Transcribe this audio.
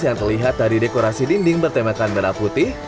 yang terlihat dari dekorasi dinding bertemakan merah putih